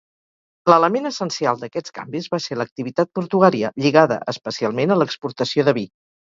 L'element essencial d'aquests canvis va ser l'activitat portuària, lligada especialment a l'exportació de vi.